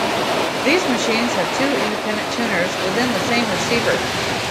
These machines have two independent tuners within the same receiver.